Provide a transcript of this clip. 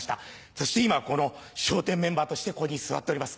そして今この笑点メンバーとしてここに座っております。